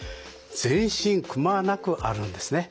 全身くまなくあるんですね。